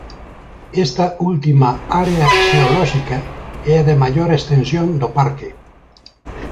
Esta última área xeolóxica é a de maior extensión do parque.